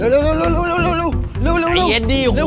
เร็วเร็วเร็วเร็วเร็วเร็ว